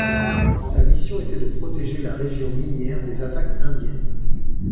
Sa mission était de protéger la région minière des attaques indiennes.